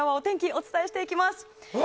お伝えしていきます。